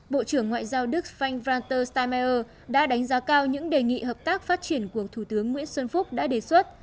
bộ trưởng ngoại giao đức frank reuters stemmeier đã đánh giá cao những đề nghị hợp tác phát triển của thủ tướng nguyễn xuân phúc đã đề xuất